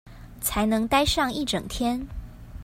才能待上一整天